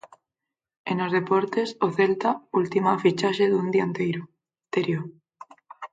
E nos deportes, o Celta ultima a fichaxe dun dianteiro, Terio.